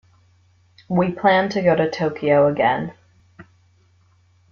We plan to go to Tokyo again.